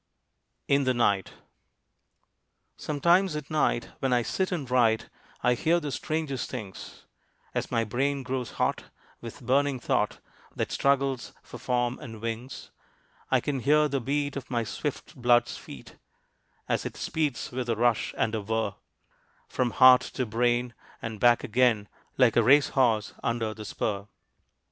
IN THE NIGHT. Sometimes at night, when I sit and write, I hear the strangest things, As my brain grows hot with burning thought, That struggles for form and wings, I can hear the beat of my swift blood's feet, As it speeds with a rush and a whir From heart to brain and back again, Like a race horse under the spur.